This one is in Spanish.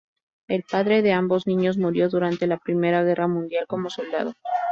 El padre de ambos niños murió durante la I Guerra Mundial como soldado.